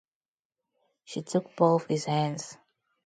She took both his hands.